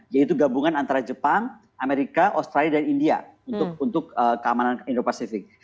yaitu gabungan antara jepang amerika australia dan india untuk keamanan indo pasifik